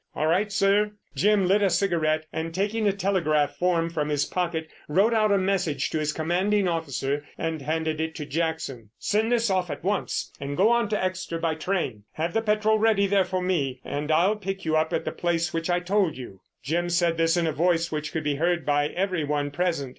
"All right, sir." Jim lit a cigarette, and taking a telegraph form from his pocket, wrote out a message to his Commanding Officer and handed it to Jackson. "Send this off at once and go on to Exeter by train. Have the petrol ready there for me, and I'll pick you up at the place of which I told you." Jim said this in a voice which could be heard by every one present.